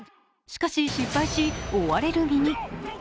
しかし、失敗し追われる身に。